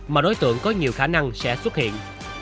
mà đối tượng có nhiều khả năng sẽ xuất hiện